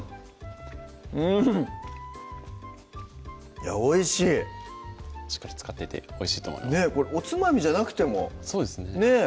うんおいしいしっかり漬かっていておいしいと思いますおつまみじゃなくてもそうですねねぇ